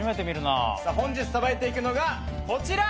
本日さばいていくのがこちら！